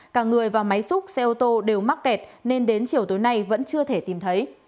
cả người và máy xúc xe ô tô đều mắc kẹt nên đến chiều tối nay vẫn chưa thể tìm thấy